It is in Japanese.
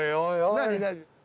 何？